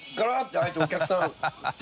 開いてお客さん来て◆